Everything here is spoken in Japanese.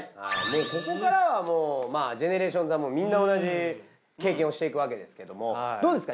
ここからはもうＧＥＮＥＲＡＴＩＯＮＳはみんな同じ経験をしていくわけですけれどもどうですか？